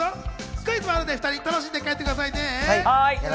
クイズもあるので楽しんで帰ってくださいね。